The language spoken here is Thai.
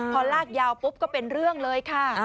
พอลากยาวปุ๊บก็เป็นเรื่องเลยค่ะ